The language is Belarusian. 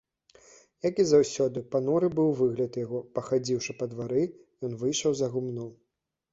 Як і заўсёды, пануры быў выгляд яго, пахадзіўшы па двары, ён выйшаў за гумно.